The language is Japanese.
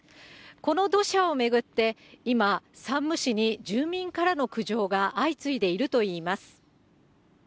この土砂を巡って、今、山武市に住民からの苦情が相次いでいるといいます。